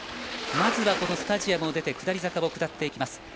まずはスタジアムを出て下り坂を下っていきます。